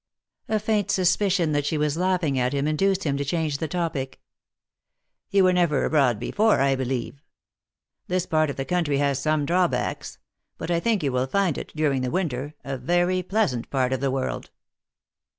A faint suspicion that she was laughing at him in duced him to change the topic. " You were never abroad before, I believe. This part of the country has some drawbacks ; but I think you will find it, during the winter, a very pleasant part of the world."